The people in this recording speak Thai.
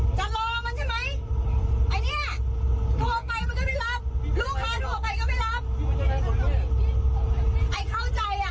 ไอ้เข้าใจอ่ะเข้าใจและนี่๓๐กว่าคนต้องมันรอ